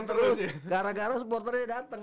terus gara gara supporternya datang